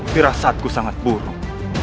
gerasaku sangat buruk